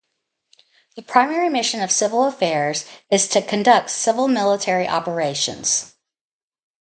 The primary mission of Civil Affairs is to conduct civil-military operations.